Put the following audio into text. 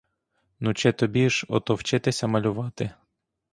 Ну чи тобі ж ото вчитися малювати.